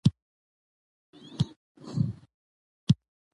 وطن جنت نښان دی